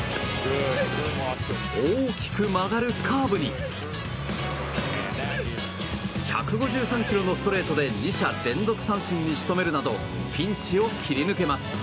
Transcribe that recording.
大きく曲がるカーブに１５３キロのストレートで２者連続三振に仕留めるなどピンチを切り抜けます。